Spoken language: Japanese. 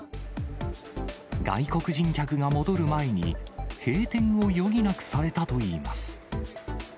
外国人客が戻る前に、閉店を余儀なくされたといいます。